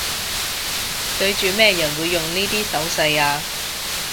對住咩人會用呢啲手勢吖